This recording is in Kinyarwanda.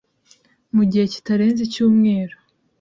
mu gihe kitarenze icyumweru